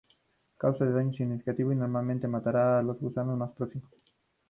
Causa un daño significativo y normalmente matará a los gusanos más próximos.